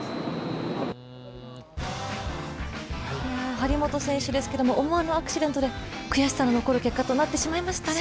張本選手ですが思わぬアクシデントで悔しい結果となってしまいましたね。